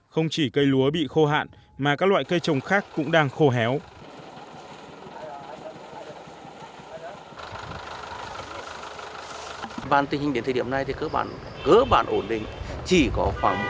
không chỉ cây lúa bị khô hạn mà các loại cây trồng khác cũng đang khô héo